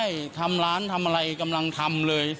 ใช่ทำร้านทำอะไรกำลังทำเลย